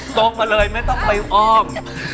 ตรงมาเลยไม่ต้องไปอ้อม